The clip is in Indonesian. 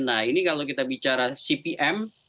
nah ini kalau kita bicara cpm